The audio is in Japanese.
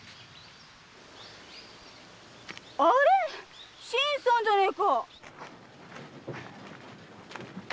あれ⁉新さんじゃねえか。